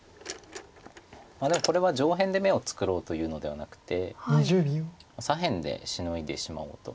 でもこれは上辺で眼を作ろうというのではなくて左辺でシノいでしまおうと。